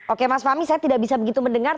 oke mas fahmi saya tidak bisa begitu mendengar